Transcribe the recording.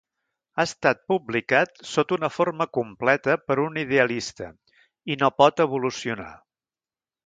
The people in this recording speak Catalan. Ha estat publicat sota una forma completa per un idealista i no pot evolucionar.